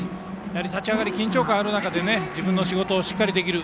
立ち上がり、緊張感がある中で自分の仕事をしっかりできる。